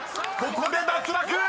ここで脱落！］